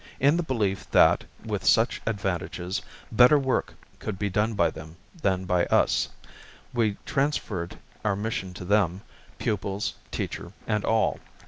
In the belief that, with such advantages, better work could be done by them than by us, we transferred our mission to them, pupils, teacher and all.